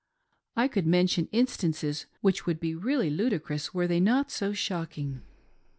I could mention instances which would be really ludicrous were they not so shocking.